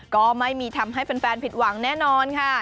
ก็ไม่มีทำให้แฟนผิดหวังแน่นอนค่ะ